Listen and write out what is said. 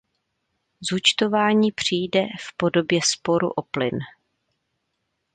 Zúčtování přijde v podobě sporu o plyn.